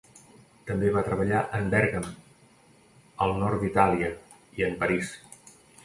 També va treballar en Bèrgam, al nord d'Itàlia, i en París.